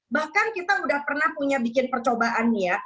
bahkan kita sudah pernah punya bikin percobaan ya